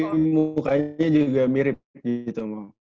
tapi mukanya juga mirip gitu